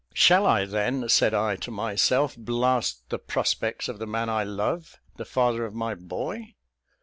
"'Shall I then,' said I to myself, 'blast the prospects of the man I love the father of my boy?